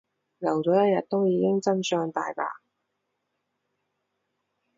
留咗一日都已經真相大白